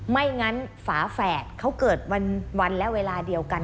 ไม่งั้นฝาแฝดเขาเกิดวันและเวลาเดียวกัน